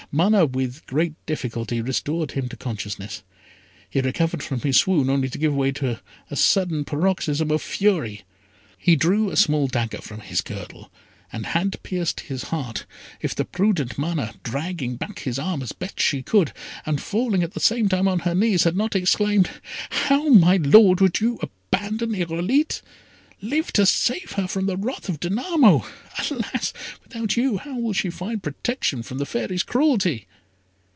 Mana, with great difficulty, restored him to consciousness. He recovered from his swoon only to give way to a sudden paroxysm of fury. He drew a small dagger from his girdle, and had pierced his heart, if the prudent Mana, dragging back his arm as best she could, and falling at the same time on her knees, had not exclaimed "How, my Lord! would you abandon Irolite? Live to save her from the wrath of Danamo. Alas! without you, how will she find protection from the Fairy's cruelty?"